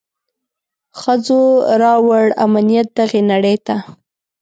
ښځو راووړ امنيت دغي نړۍ ته.